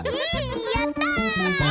やった！